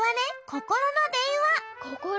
ココロのでんわ？